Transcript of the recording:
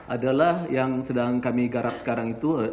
adalah yang sedang kami garap sekarang itu